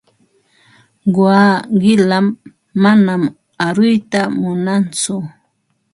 Quwaa qilam, manam aruyta munantsu.